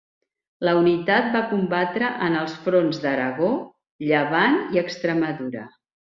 La unitat va combatre en els fronts d'Aragó, Llevant i Extremadura.